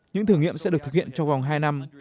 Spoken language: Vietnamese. những thử nghiệm sẽ được thực hiện trong vòng hai năm